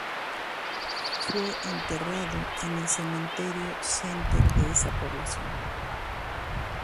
Fue enterrado en el Cementerio Center de esa población.